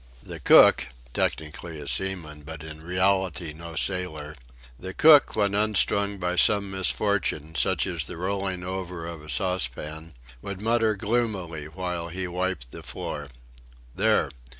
The cook (technically a seaman, but in reality no sailor) the cook, when unstrung by some misfortune, such as the rolling over of a saucepan, would mutter gloomily while he wiped the floor: "There!